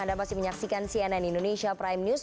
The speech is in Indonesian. anda masih menyaksikan cnn indonesia prime news